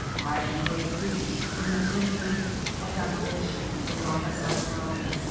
I am a brother priest — from the Temple of Daigoji, in Wakasa Province.